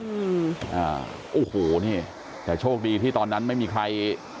อืมอ่าโอ้โหนี่แต่โชคดีที่ตอนนั้นไม่มีใคร